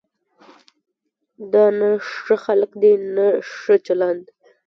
دا نه ښه خلک دي نه ښه چلند.